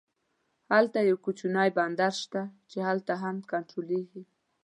هلته یو کوچنی بندر شته خو هغه هم کنټرولېږي.